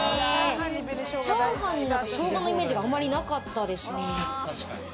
チャーハンに生姜のイメージがあまりなかったですね。